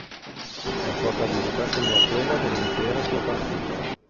La sua caduta segnò quella dell'intero suo partito.